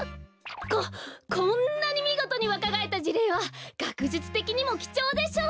ここんなにみごとにわかがえったじれいはがくじゅつてきにもきちょうでしょう。